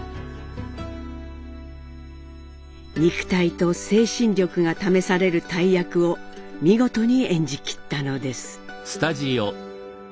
肉体と精神力が試される大役を見事に演じきったのです。